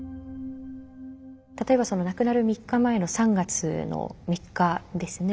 例えば亡くなる３日前の３月の３日ですね。